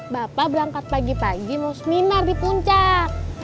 bapak berangkat pagi pagi mau seminar di puncak